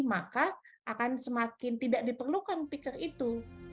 maka akan semakin tidak diperlukan pikir itu